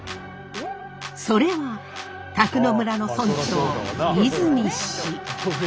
それは宅野村の村長泉氏。